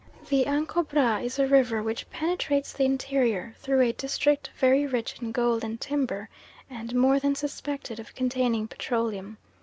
The Ancobra is a river which penetrates the interior, through a district very rich in gold and timber and more than suspected of containing petroleum.